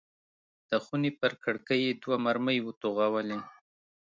د خونې پر کړکۍ یې دوه مرمۍ وتوغولې.